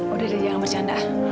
udah udah jangan bercanda